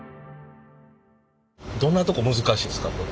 どんなとこ難しいですか？